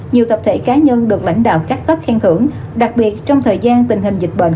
nhiều tập thể cá nhân được lãnh đạo các cấp khen thưởng đặc biệt trong thời gian tình hình dịch bệnh